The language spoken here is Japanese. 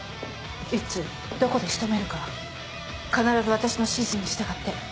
いつどこで仕留めるか必ず私の指示に従って。